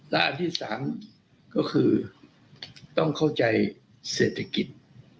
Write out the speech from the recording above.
และอันที่๓ก็คือต้องเข้าใจเศรษฐกิจ